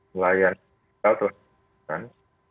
melayani digital telah diperlukan